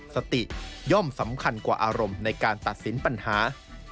สติย่อมสำคัญกว่าอารมณ์ในการตัดสินปัญหา